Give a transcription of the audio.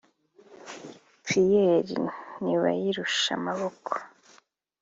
Pierre Ntibayirushamaboko